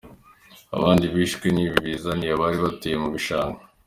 Abandi bishwe n’ibi biza ni abari batuye mu bishanga.